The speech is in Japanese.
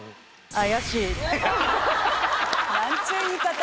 怪しい。